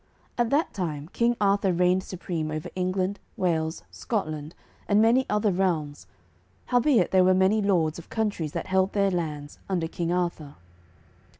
At that time King Arthur reigned supreme over England, Wales, Scotland, and many other realms, howbeit there were many lords of countries that held their lands under King Arthur.